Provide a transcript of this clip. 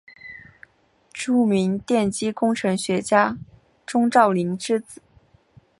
著名电机工程学家钟兆琳之子。